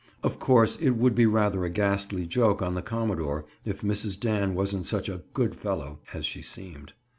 Of course it would be rather a ghastly joke on the commodore if Mrs. Dan wasn't such a "good fellow" as she seemed.